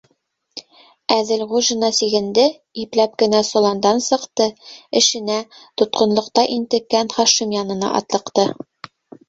Әҙелғужина сигенде, ипләп кенә соландан сыҡты, эшенә, тотҡонлоҡта интеккән Хашим янына атлыҡты.